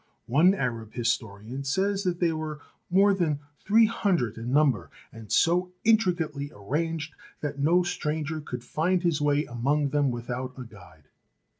One Arab historian says that they were more than three hundred in number, and so intricately arranged that no stranger could find his way among them without a guide.